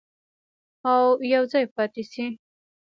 او یوځای پاتې شي.